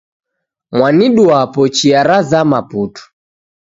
Mwanduu wapo chia ra zama putu